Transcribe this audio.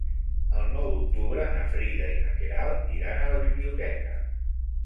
El nou d'octubre na Frida i na Queralt iran a la biblioteca.